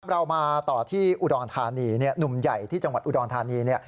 เรามาต่อที่อุดรธานีหนุ่มใหญ่ที่จังหวัดอุดรธานี